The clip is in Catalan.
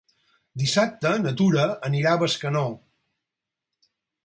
Dissabte na Tura anirà a Bescanó.